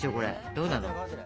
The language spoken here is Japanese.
どうなの？